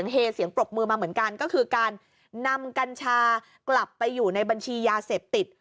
เฮเสียงปรบมือมาเหมือนกันก็คือการนำกัญชากลับไปอยู่ในบัญชียาเสพติด